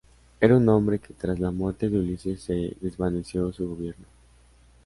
Era un hombre que tras la muerte de Ulises se desvaneció su gobierno.